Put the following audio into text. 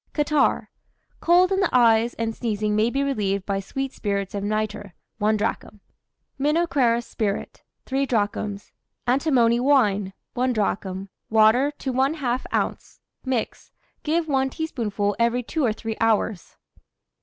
CATARRH. Cold in the eyes and sneezing may be relieved by sweet spirits of nitre, 1 drachm; minocrerus spirit, 3 drachms; antimony wine, 1 drachm; water to 1½ oz. Mix. Give 1 teaspoonful every two or three hours.